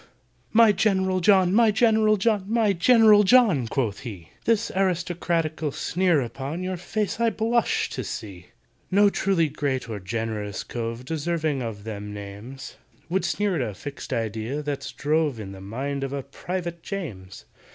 "My GENERAL JOHN! my GENERAL JOHN! My GENERAL JOHN!" quoth he, "This aristocratical sneer upon Your face I blush to see! "No truly great or generous cove Deserving of them names, Would sneer at a fixed idea that's drove In the mind of a PRIVATE JAMES!"